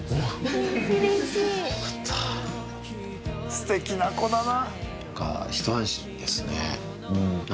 すてきな子だな。